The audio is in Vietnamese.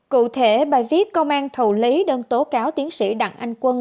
cụ thể bài viết công an thủ lý đơn tố cáo tiến sĩ đặng anh quân